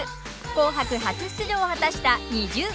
「紅白」初出場を果たしたＮｉｚｉＵ。